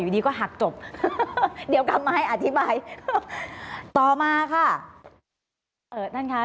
ดีก็หักจบเดี๋ยวกลับมาให้อธิบายต่อมาค่ะเอ่อท่านคะ